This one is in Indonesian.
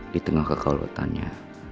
di tengah kekalutannya